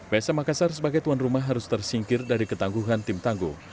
psm makassar sebagai tuan rumah harus tersingkir dari ketangguhan tim tangguh